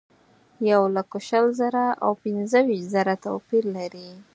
یولک شل زره او پنځه ویشت زره توپیر لري.